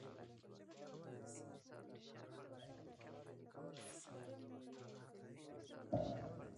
سپینو پرخو چې دا وړانګې ولیدلي.